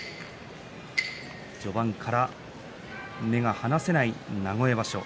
序盤から目が離せないこの名古屋場所。